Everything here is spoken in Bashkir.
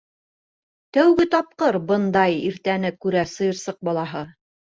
Тәүге тапҡыр бындай иртәне күрә сыйырсыҡ балаһы.